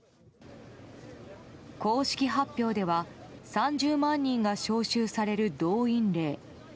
公式発表では３０万人が招集される動員令。